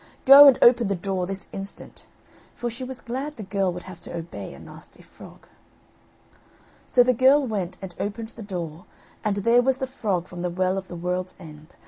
"Go and open the door this instant." For she was glad the girl would have to obey a nasty frog. So the girl went and opened the door, and there was the frog from the Well of the World's End.